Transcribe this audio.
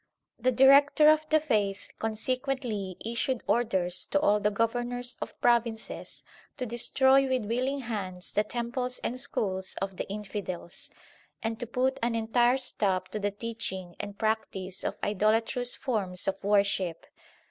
The Director of the Faith consequently issued orders to all the governors of provinces to destroy with willing hands the temples and schools of the infidels, and to put an entire stop to the teaching and practice of idolatrous forms of worship.